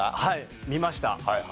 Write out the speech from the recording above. はい見ました。